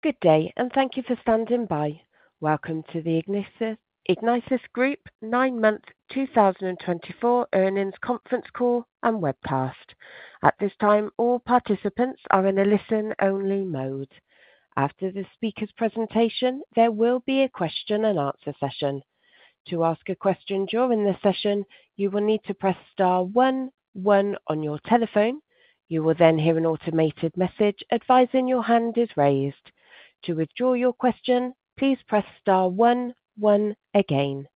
Good day, and thank you for standing by. Welcome to the Ignitis Group Nine-Month 2024 Earnings Conference Call and Webcast. At this time, all participants are in a listen-only mode. After the speaker's presentation, there will be a question-and-answer session. To ask a question during the session, you will need to press star one, one on your telephone. You will then hear an automated message advising your hand is raised. To withdraw your question, please press star one, one again.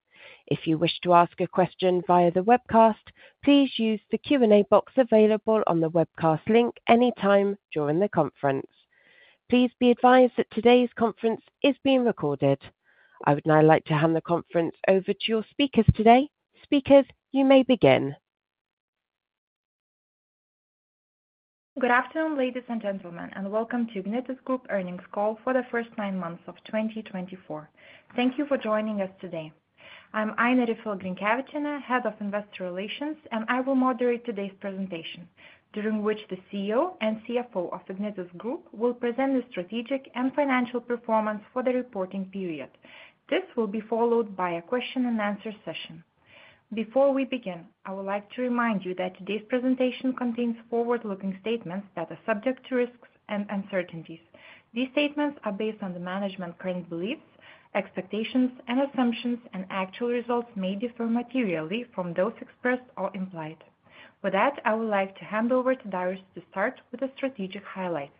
If you wish to ask a question via the webcast, please use the Q&A box available on the webcast link anytime during the conference. Please be advised that today's conference is being recorded. I would now like to hand the conference over to your speakers today. Speakers, you may begin. Good afternoon, ladies and gentlemen, and welcome to Ignitis Group earnings call for the first nine months of 2024. Thank you for joining us today. I'm Ainė Riffel-Grinkevičienė, Head of Investor Relations, and I will moderate today's presentation, during which the CEO and CFO of Ignitis Group will present the strategic and financial performance for the reporting period. This will be followed by a question-and-answer session. Before we begin, I would like to remind you that today's presentation contains forward-looking statements that are subject to risks and uncertainties. These statements are based on the management's current beliefs, expectations, and assumptions, and actual results may differ materially from those expressed or implied. With that, I would like to hand over to Darius to start with the strategic highlights.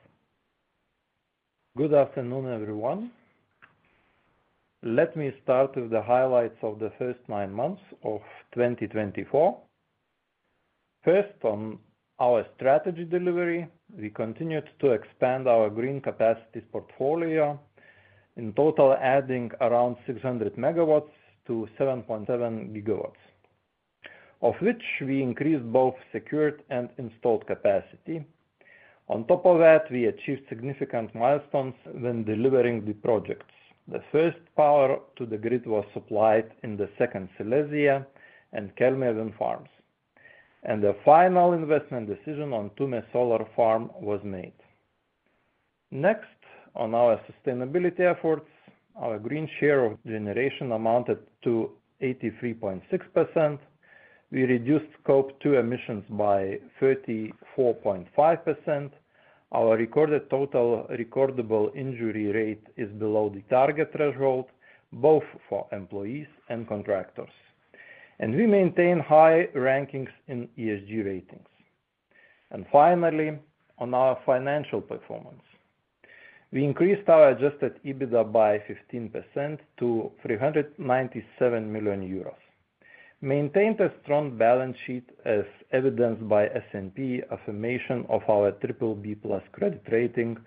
Good afternoon, everyone. Let me start with the highlights of the first nine months of 2024. First, on our strategy delivery, we continued to expand our green capacity portfolio, in total adding around 600 MW to 7.7 GW, of which we increased both secured and installed capacity. On top of that, we achieved significant milestones when delivering the projects. The first power to the grid was supplied in the second Silesia and Kelmė wind farms, and the final investment decision on Tume Solar Farm was made. Next, on our sustainability efforts, our green share of generation amounted to 83.6%. We reduced CO2 emissions by 34.5%. Our recorded total recordable injury rate is below the target threshold, both for employees and contractors, and we maintain high rankings in ESG ratings. And finally, on our financial performance, we increased our Adjusted EBITDA by 15% to 397 million euros, maintained a strong balance sheet, as evidenced by S&P affirmation of our BBB plus credit rating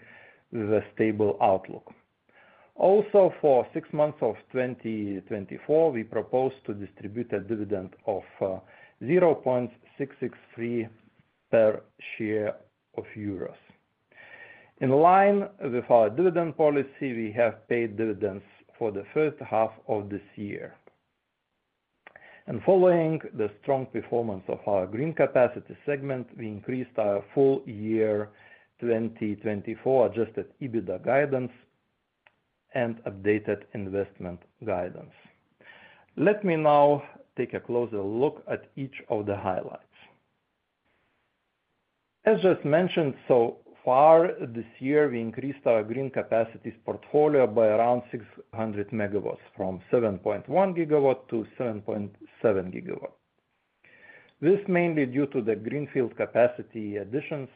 with a stable outlook. Also, for six months of 2024, we proposed to distribute a dividend of 0.663 per share. In line with our dividend policy, we have paid dividends for the first half of this year. And following the strong performance of our green capacity segment, we increased our full year 2024 Adjusted EBITDA guidance and updated investment guidance. Let me now take a closer look at each of the highlights. As just mentioned so far, this year we increased our green capacity portfolio by around 600 MW, from 7.1 gigawatt to 7.7 gigawatt. This is mainly due to the greenfield capacity additions,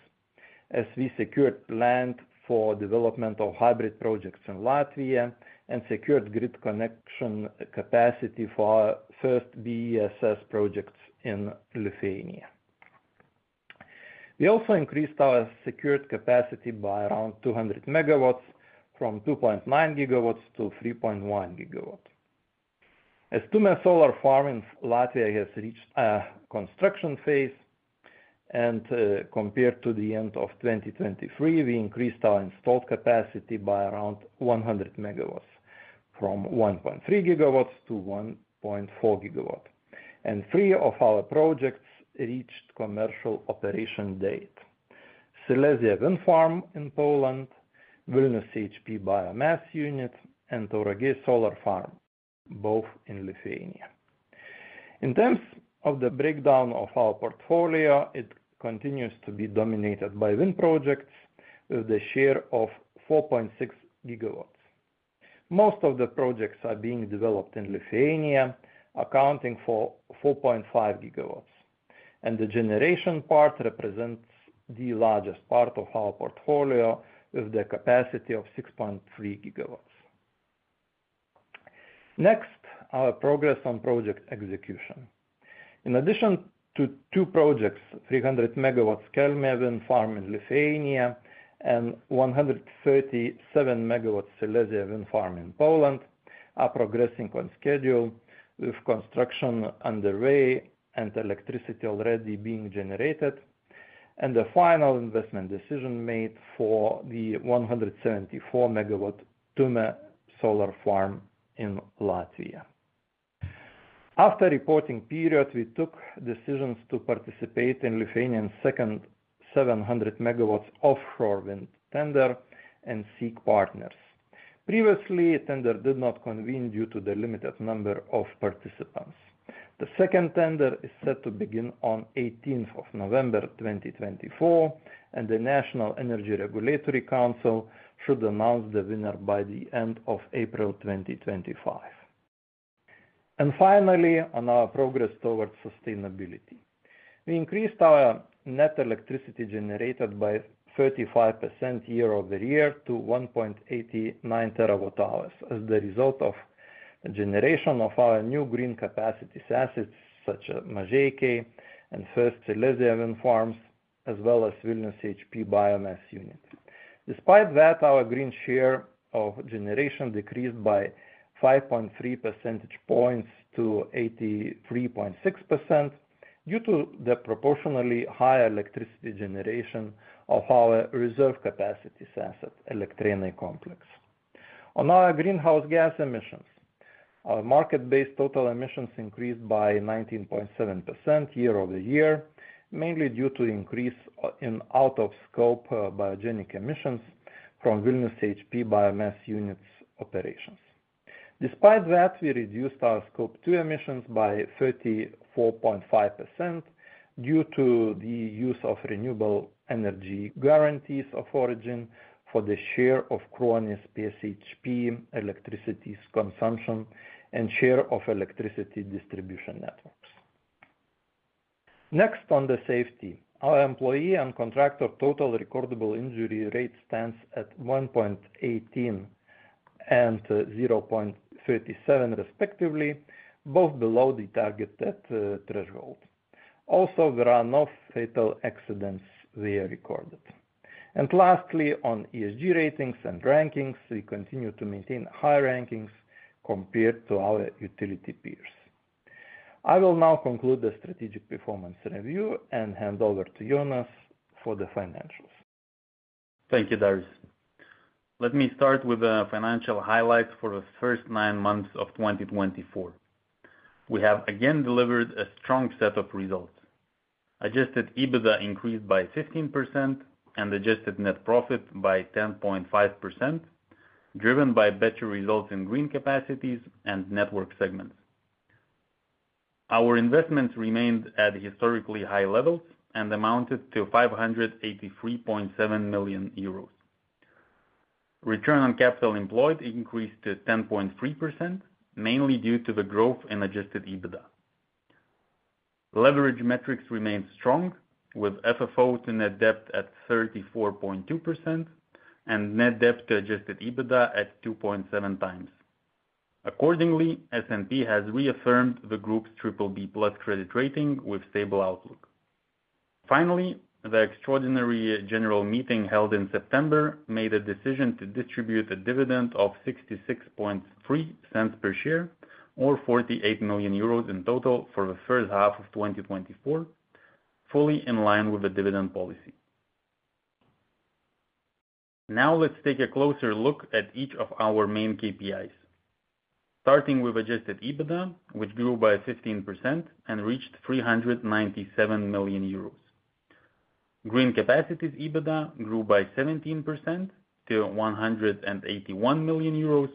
as we secured land for development of hybrid projects in Latvia and secured grid connection capacity for our first BESS projects in Lithuania. We also increased our secured capacity by around 200 MW, from 2.9 GW to 3.1 GW. As Tume Solar Farm in Latvia has reached a construction phase, and compared to the end of 2023, we increased our installed capacity by around 100 MW, from 1.3 GW to 1.4 GW. And three of our projects reached commercial operation date: Silesia Wind Farm in Poland, Vilnius HP Biomass Unit, and Tauragė Solar Farm, both in Lithuania. In terms of the breakdown of our portfolio, it continues to be dominated by wind projects with a share of 4.6 GW. Most of the projects are being developed in Lithuania, accounting for 4.5 GW, and the generation part represents the largest part of our portfolio with a capacity of 6.3 GW. Next, our progress on project execution. In addition to two projects, 300 MW Kelmė Wind Farm in Lithuania and 137 MW Silesia Wind Farm in Poland, are progressing on schedule, with construction underway and electricity already being generated, and a final investment decision made for the 174 MW Tume Solar Farm in Latvia. After the reporting period, we took decisions to participate in Lithuania's second 700 MW offshore wind tender and seek partners. Previously, the tender did not convene due to the limited number of participants. The second tender is set to begin on 18 November 2024, and the National Energy Regulatory Council should announce the winner by the end of April 2025. Finally, on our progress towards sustainability, we increased our net electricity generated by 35% year over year to 1.89 terawatt-hours as the result of the generation of our new green capacity assets, such as Mažeikiai and first Silesia Wind Farms, as well as Vilnius HP Biomass Unit. Despite that, our green share of generation decreased by 5.3 percentage points to 83.6% due to the proportionally higher electricity generation of our reserve capacity asset, Elektrėnai Complex. On our greenhouse gas emissions, our market-based total emissions increased by 19.7% year over year, mainly due to the increase in out-of-scope biogenic emissions from Vilnius HP Biomass Unit's operations. Despite that, we reduced our CO2 emissions by 34.5% due to the use of renewable energy guarantees of origin for the share of Kruonis PSHP electricity consumption and share of electricity distribution networks. Next, on the safety, our employee and contractor total recordable injury rate stands at 1.18 and 0.37, respectively, both below the target threshold. Also, there are no fatal accidents we recorded. And lastly, on ESG ratings and rankings, we continue to maintain high rankings compared to our utility peers. I will now conclude the strategic performance review and hand over to Jonas for the financials. Thank you, Darius. Let me start with the financial highlights for the first nine months of 2024. We have again delivered a strong set of results. Adjusted EBITDA increased by 15% and adjusted net profit by 10.5%, driven by better results in green capacities and network segments. Our investments remained at historically high levels and amounted to 583.7 million euros. Return on capital employed increased to 10.3%, mainly due to the growth in adjusted EBITDA. Leverage metrics remained strong, with FFO to net debt at 34.2% and net debt to adjusted EBITDA at 2.7 times. Accordingly, S&P has reaffirmed the group's BBB+ credit rating with a stable outlook. Finally, the extraordinary general meeting held in September made a decision to distribute a dividend of 0.663 per share, or 48 million euros in total for the first half of 2024, fully in line with the dividend policy. Now, let's take a closer look at each of our main KPIs, starting with adjusted EBITDA, which grew by 15% and reached 397 million euros. Green capacity EBITDA grew by 17% to 181 million euros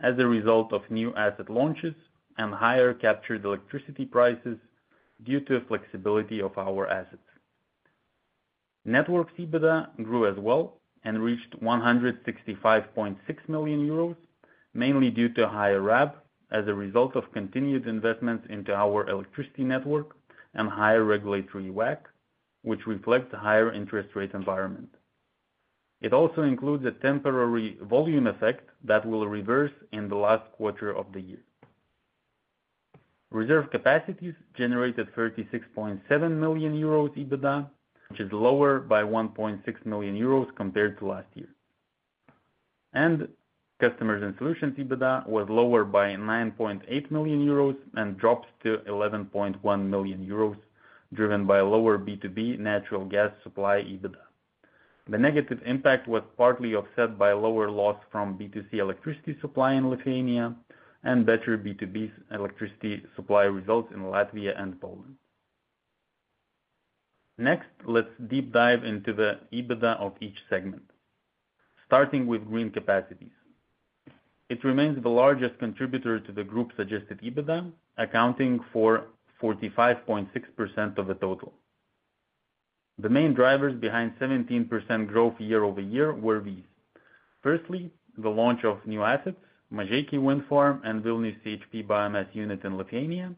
as a result of new asset launches and higher captured electricity prices due to the flexibility of our assets. Network EBITDA grew as well and reached 165.6 million euros, mainly due to higher RAB as a result of continued investments into our electricity network and higher regulatory WACC, which reflects a higher interest rate environment. It also includes a temporary volume effect that will reverse in the last quarter of the year. Reserve capacity generated 36.7 million euros EBITDA, which is lower by 1.6 million euros compared to last year. Customers and solutions EBITDA was lower by 9.8 million euros and drops to 11.1 million euros, driven by lower B2B natural gas supply EBITDA. The negative impact was partly offset by lower loss from B2C electricity supply in Lithuania and better B2B electricity supply results in Latvia and Poland. Next, let's deep dive into the EBITDA of each segment, starting with green capacities. It remains the largest contributor to the group's adjusted EBITDA, accounting for 45.6% of the total. The main drivers behind 17% growth year over year were these: firstly, the launch of new assets, Mažeikiai Wind Farm and Vilnius HP Biomass Unit in Lithuania,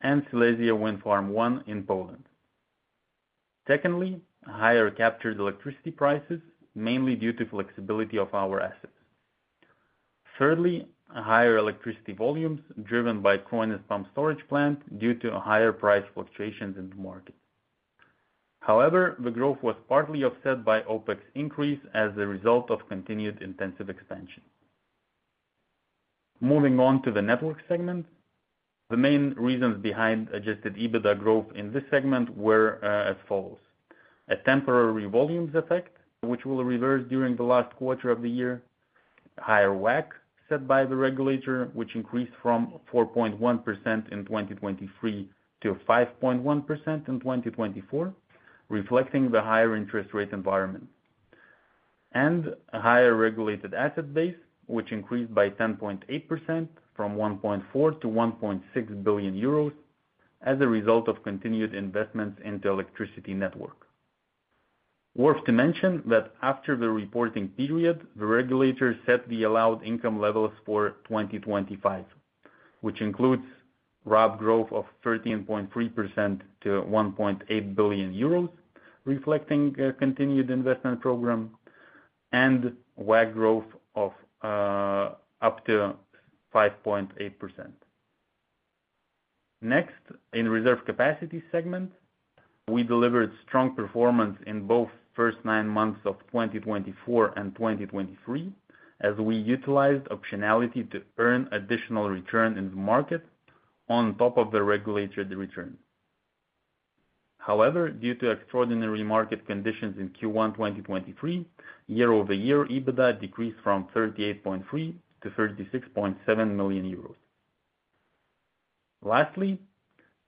and Silesia I Wind Farm in Poland. Secondly, higher captured electricity prices, mainly due to the flexibility of our assets. Thirdly, higher electricity volumes driven by Kruonis pumped storage plant due to higher price fluctuations in the market. However, the growth was partly offset by OpEx increase as a result of continued intensive expansion. Moving on to the network segment, the main reasons behind Adjusted EBITDA growth in this segment were as follows: a temporary volumes effect, which will reverse during the last quarter of the year. Higher WACC set by the regulator, which increased from 4.1%-5.1% in 2023-2024, reflecting the higher interest rate environment. And a higher regulated asset base, which increased by 10.8% from EUR1.4-EUR1.6 billion as a result of continued investments into the electricity network. Worth mentioning that after the reporting period, the regulator set the allowed income levels for 2025, which includes RAB growth of 13.3% to 1.8 billion euros, reflecting a continued investment program, and WACC growth of up to 5.8%. Next, in the reserve capacity segment, we delivered strong performance in both the first nine months of 2024 and 2023, as we utilized optionality to earn additional return in the market on top of the regulated return. However, due to extraordinary market conditions in Q1 2023, year over year, EBITDA decreased from 38.3 million to 36.7 million euros. Lastly,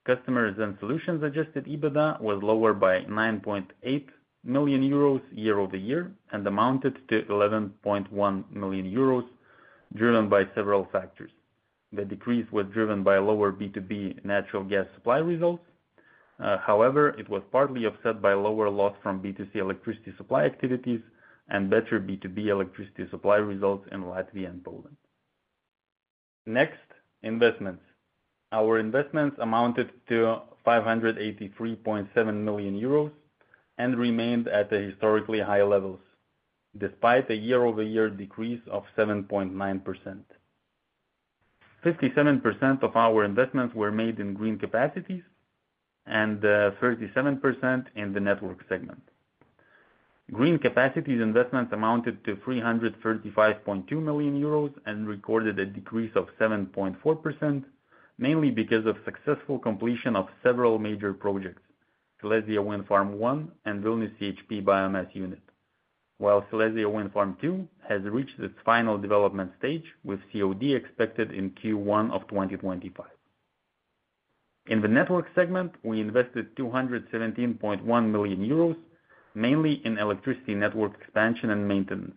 customers and solutions adjusted EBITDA was lower by 9.8 million euros year over year and amounted to 11.1 million euros, driven by several factors. The decrease was driven by lower B2B natural gas supply results, however, it was partly offset by lower loss from B2C electricity supply activities and better B2B electricity supply results in Latvia and Poland. Next, investments. Our investments amounted to 583.7 million euros and remained at the historically high levels, despite a year-over-year decrease of 7.9%. 57% of our investments were made in green capacities and 37% in the network segment. Green capacity investments amounted to 335.2 million euros and recorded a decrease of 7.4%, mainly because of the successful completion of several major projects: Silesia Wind Farm 1 and Vilnius HP Biomass Unit, while Silesia Wind Farm 2 has reached its final development stage, with COD expected in Q1 of 2025. In the network segment, we invested 217.1 million euros, mainly in electricity network expansion and maintenance.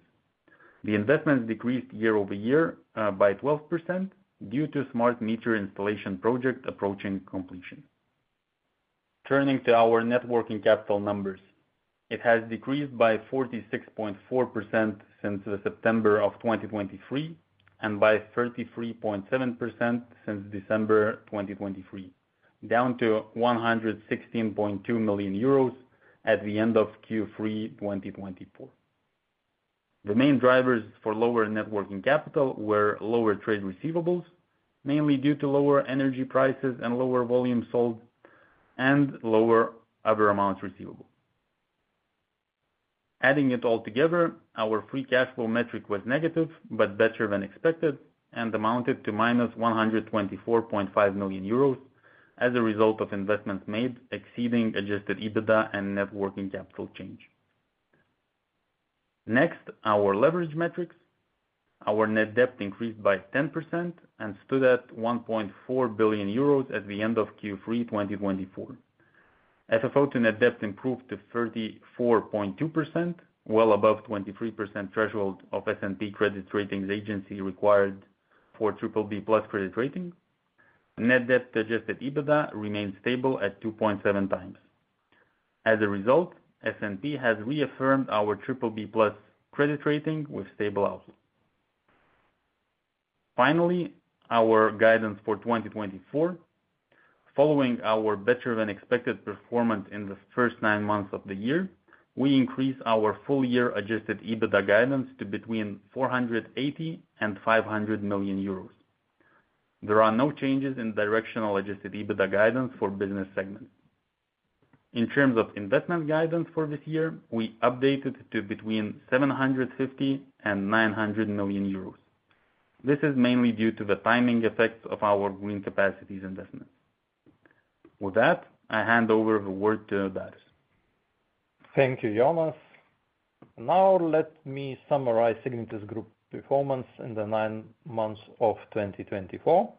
The investments decreased year over year by 12% due to a smart meter installation project approaching completion. Turning to our net working capital numbers, it has decreased by 46.4% since September of 2023 and by 33.7% since December 2023, down to 116.2 million euros at the end of Q3 2024. The main drivers for lower net working capital were lower trade receivables, mainly due to lower energy prices and lower volume sold, and lower other amounts receivable. Adding it all together, our free cash flow metric was negative but better than expected and amounted to 124.5 million euros as a result of investments made exceeding adjusted EBITDA and net working capital change. Next, our leverage metrics. Our net debt increased by 10% and stood at 1.4 billion euros at the end of Q3 2024. FFO to net debt improved to 34.2%, well above the 23% threshold of S&P credit ratings agency required for BBB plus credit rating. Net debt to adjusted EBITDA remained stable at 2.7 times. As a result, S&P has reaffirmed our BBB plus credit rating with a stable outlook. Finally, our guidance for 2024. Following our better-than-expected performance in the first 9 months of the year, we increased our full-year adjusted EBITDA guidance to between 480 and 500 million. There are no changes in the directional adjusted EBITDA guidance for business segments. In terms of investment guidance for this year, we updated it to between 750 and 900 million. This is mainly due to the timing effects of our green capacities investments. With that, I hand over the word to Darius. Thank you, Jonas. Now, let me summarize Ignitis Group's performance in the nine months of 2024.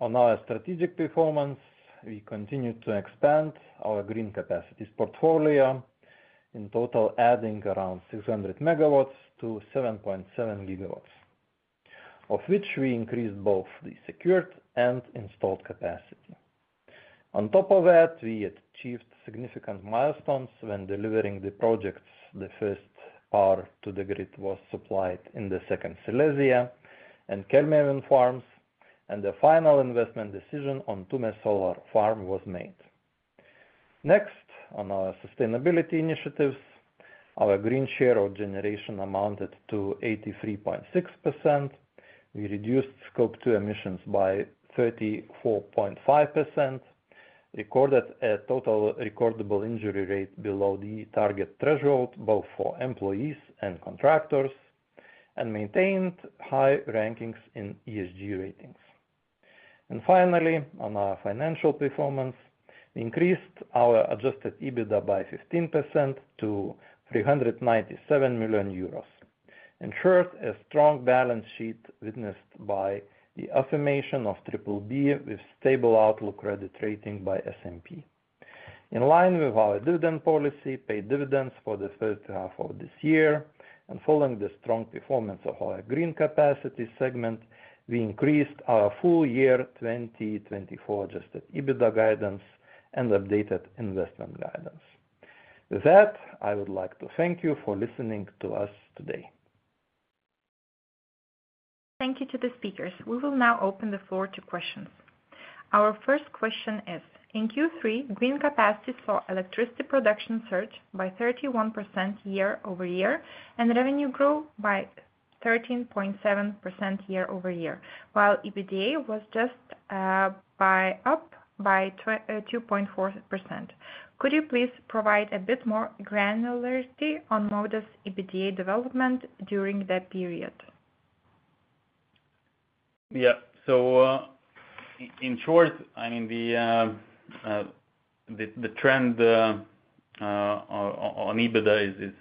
On our strategic performance, we continued to expand our green capacities portfolio, in total adding around 600 MW to 7.7 GW, of which we increased both the secured and installed capacity. On top of that, we achieved significant milestones when delivering the projects: the first power-to-the-grid was supplied in the second Silesia and Kelmė Wind Farms, and the final investment decision on Tume Solar Farm was made. Next, on our sustainability initiatives, our green share of generation amounted to 83.6%. We reduced CO2 emissions by 34.5%, recorded a total recordable injury rate below the target threshold both for employees and contractors, and maintained high rankings in ESG ratings. And finally, on our financial performance, we increased our adjusted EBITDA by 15% to 397 million euros, ensured a strong balance sheet witnessed by the affirmation of BBB with a stable outlook credit rating by S&P. In line with our dividend policy, we paid dividends for the first half of this year, and following the strong performance of our green capacity segment, we increased our full-year 2024 adjusted EBITDA guidance and updated investment guidance. With that, I would like to thank you for listening to us today. Thank you to the speakers. We will now open the floor to questions. Our first question is: In Q3, green capacity saw electricity production surge by 31% year over year and revenue growth by 13.7% year over year, while EBITDA was just up by 2.4%. Could you please provide a bit more granularity on Modus' EBITDA development during that period? Yeah, so in short, I mean, the trend on EBITDA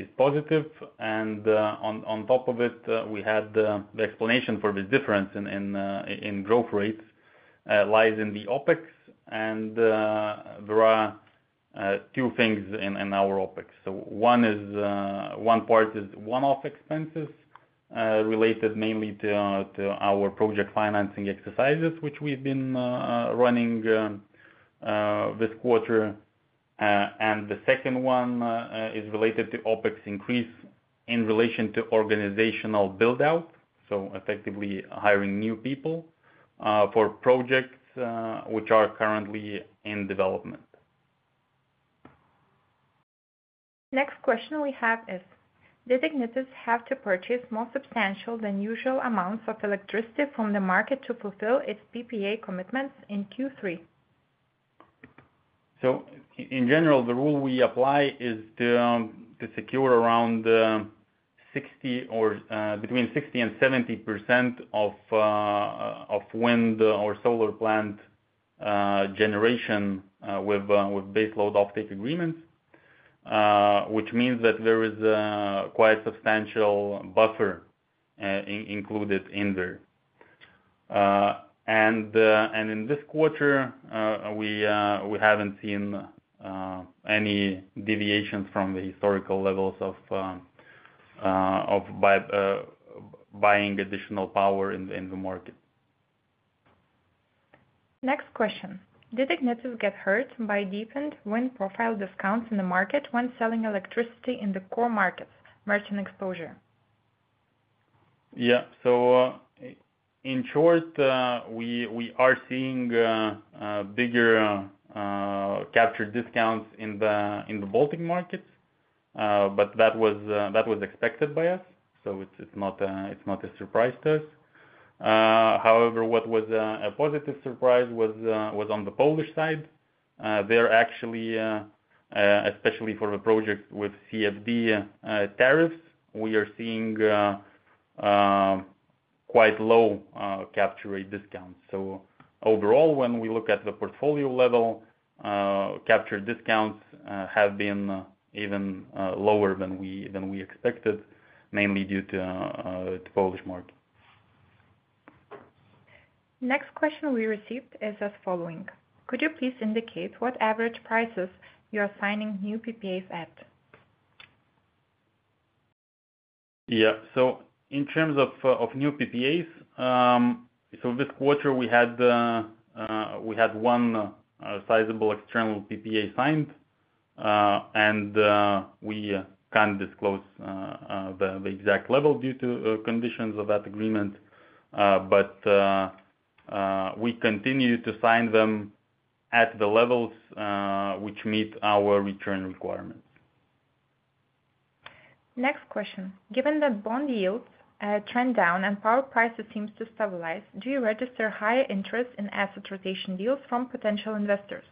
is positive, and on top of it, we had the explanation for this difference in growth rates lies in the OPEX, and there are two things in our OPEX. So one part is one-off expenses related mainly to our project financing exercises, which we've been running this quarter, and the second one is related to OPEX increase in relation to organizational build-out, so effectively hiring new people for projects which are currently in development. Next question we have is: Did Ignitis have to purchase more substantial than usual amounts of electricity from the market to fulfill its PPA commitments in Q3? So in general, the rule we apply is to secure around 60% or between 60% and 70% of wind or solar plant generation with base load offtake agreements, which means that there is quite a substantial buffer included in there. And in this quarter, we haven't seen any deviations from the historical levels of buying additional power in the market. Next question: Did Ignitis get hurt by deepened wind profile discounts in the market when selling electricity in the core markets, merchant exposure? Yeah, so in short, we are seeing bigger capture discounts in the Baltic markets, but that was expected by us, so it's not a surprise to us. However, what was a positive surprise was on the Polish side. There actually, especially for the projects with CFD tariffs, we are seeing quite low capture rate discounts. So overall, when we look at the portfolio level, capture discounts have been even lower than we expected, mainly due to the Polish market. Next question we received is as follows: Could you please indicate what average prices you are signing new PPAs at? Yeah, so in terms of new PPAs, so this quarter we had one sizable external PPA signed, and we can't disclose the exact level due to conditions of that agreement, but we continue to sign them at the levels which meet our return requirements. Next question: Given that bond yields trend down and power prices seem to stabilize, do you register high interest in asset rotation deals from potential investors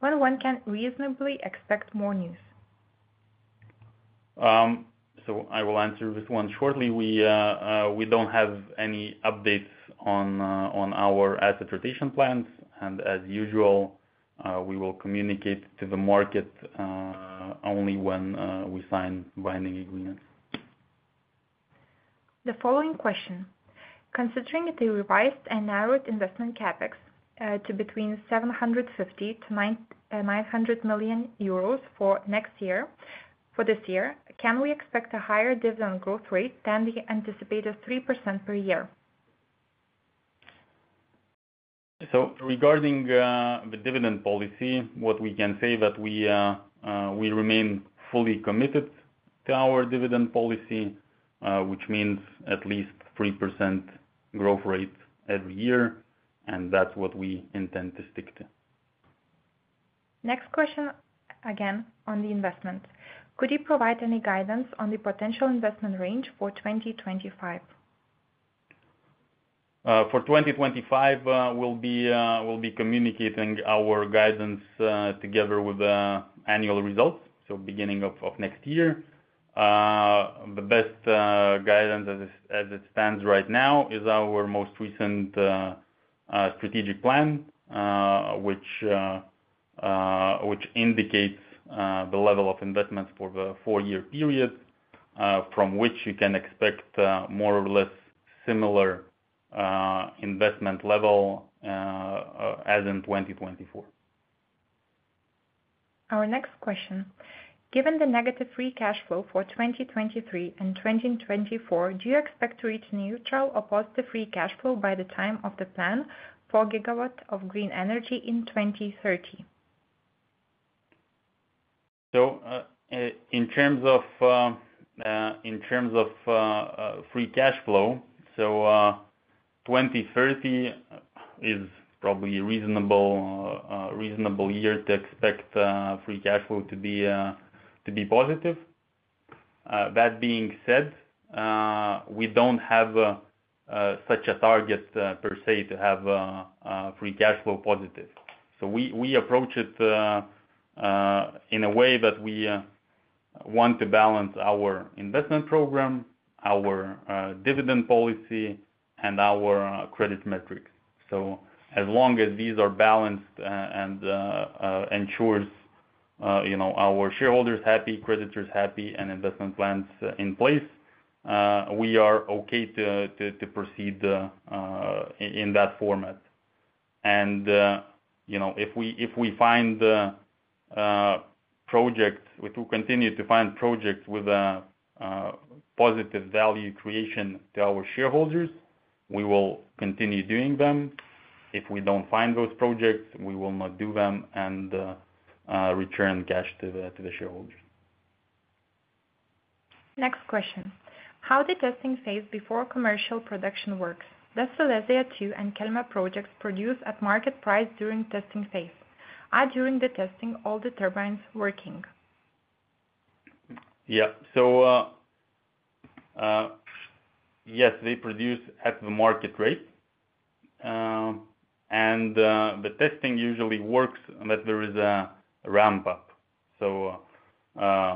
when one can reasonably expect more news? So I will answer this one shortly. We don't have any updates on our asset rotation plans, and as usual, we will communicate to the market only when we sign binding agreements. The following question: Considering the revised and narrowed investment CapEx to between 750 to 900 million for next year, for this year, can we expect a higher dividend growth rate than the anticipated 3% per year? Regarding the dividend policy, what we can say is that we remain fully committed to our dividend policy, which means at least 3% growth rate every year, and that's what we intend to stick to. Next question again on the investment: Could you provide any guidance on the potential investment range for 2025? For 2025, we'll be communicating our guidance together with the annual results, so beginning of next year. The best guidance as it stands right now is our most recent strategic plan, which indicates the level of investments for the four-year period, from which you can expect more or less similar investment level as in 2024. Our next question: Given the negative free cash flow for 2023 and 2024, do you expect to reach neutral or positive free cash flow by the time of the plan for gigawatt of green energy in 2030? So in terms of free cash flow, so 2030 is probably a reasonable year to expect free cash flow to be positive. That being said, we don't have such a target per se to have free cash flow positive. So we approach it in a way that we want to balance our investment program, our dividend policy, and our credit metrics. So as long as these are balanced and ensure our shareholders happy, creditors happy, and investment plans in place, we are okay to proceed in that format. And if we find projects, we continue to find projects with positive value creation to our shareholders, we will continue doing them. If we don't find those projects, we will not do them and return cash to the shareholders. Next question: How did testing phase before commercial production works? Does Silesia II and Kelmė projects produce at market price during testing phase? Are during the testing all the turbines working? Yeah, so yes, they produce at the market rate, and the testing usually works, that there is a ramp-up, so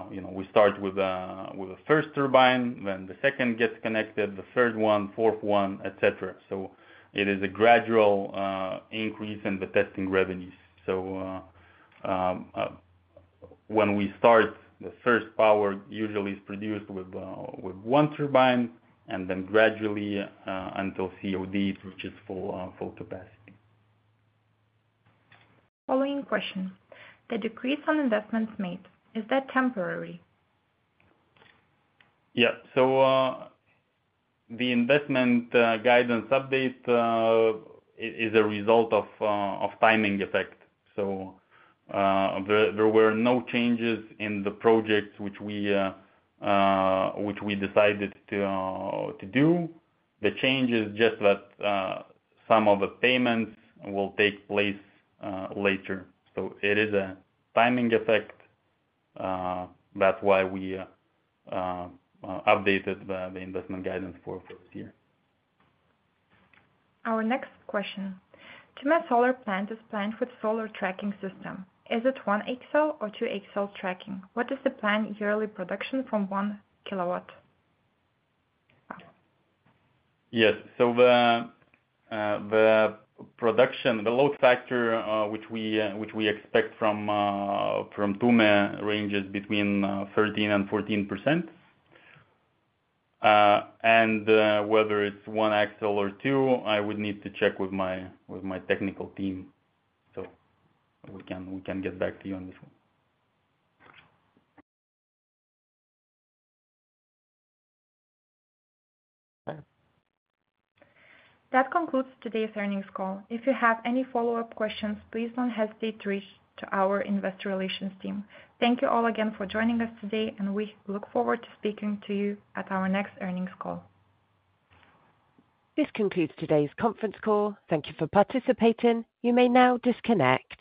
we start with the first turbine, then the second gets connected, the third one, fourth one, etc., so it is a gradual increase in the testing revenues, so when we start, the first power usually is produced with one turbine and then gradually until COD reaches full capacity. Following question: The decrease on investments made, is that temporary? Yeah, so the investment guidance update is a result of timing effect. So there were no changes in the projects which we decided to do. The change is just that some of the payments will take place later. So it is a timing effect. That's why we updated the investment guidance for this year. Our next question: Tume Solar Farm is planned with solar tracking system. Is it one-axis or two-axis tracking? What is the planned yearly production from one kW? Yes, so the production, the load factor which we expect from Tume ranges between 13% and 14%. And whether it's single-axis or two, I would need to check with my technical team. So we can get back to you on this one. That concludes today's earnings call. If you have any follow-up questions, please don't hesitate to reach out to our investor relations team. Thank you all again for joining us today, and we look forward to speaking to you at our next earnings call. This concludes today's conference call. Thank you for participating. You may now disconnect.